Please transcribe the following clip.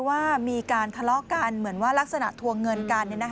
ว่ามีการทะเลาะกันเหมือนว่ารักษณะทวงเงินกัน